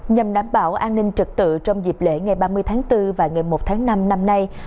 nhằm đảm bảo an ninh trật tự trong dịp lễ ngày ba mươi tháng bốn và ngày một tháng năm năm nay